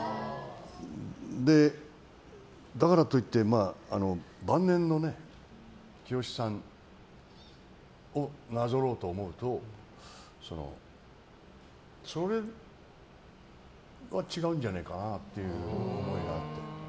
だからといって晩年の清志さんをなぞろうと思うとそれは違うんじゃねえかなっていう思いがあって。